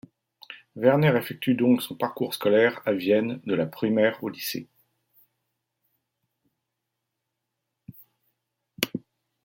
Werner effectue donc son parcours scolaire à Vienne de la primaire au lycée.